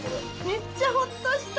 めっちゃホッとした！